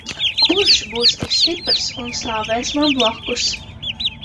Kurš būs tik stiprs un stāvēs man blakus?